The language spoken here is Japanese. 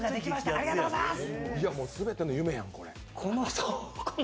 ありがとうございます！